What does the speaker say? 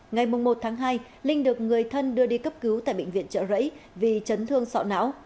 ngày một tháng hai linh được người thân đưa đi cấp cứu tại bệnh viện trợ rẫy vì chấn thương sọ não